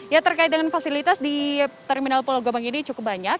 ya terkait dengan fasilitas di terminal pulau gebang ini cukup banyak